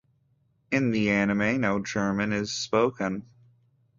In the anime, no German is spoken.